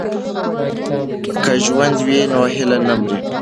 که ژوند وي نو هیله نه مري.